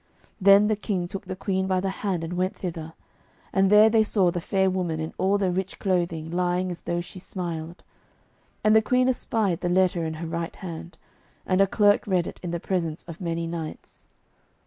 Then the King took the Queen by the hand and went thither, and there they saw the fair woman in all the rich clothing lying as though she smiled. And the Queen espied the letter in her right hand, and a clerk read it in the presence of many knights.